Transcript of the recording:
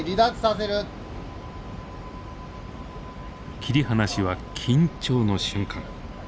切り離しは緊張の瞬間。